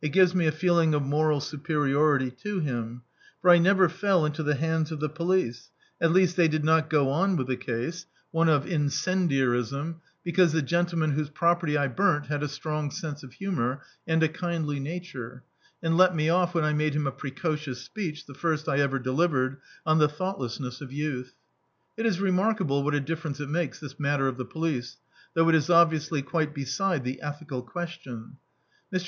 It gives me a feeling of moral superiority to him; for I never fell into the hands of the police — at least they did not go on with the case (one of in [ziii] D,i.,.db, Google Preface cendiarism), because the gentleman whose property I burnt had a strong sense of humour and a kindly nature, and let me off when I made him a precocious speech — the first I ever delivered — on the thou^t lessness of youth. It is remarkable what a differ' ence it makes, this matter of the police; chou^ it is obviously quite beside the ethical questitm. Mr.